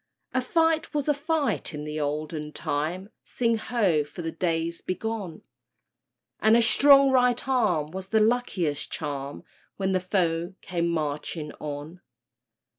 A fight was a fight in the olden time— Sing ho, for the days bygone!— And a strong right arm was the luckiest charm, When the foe came marching on!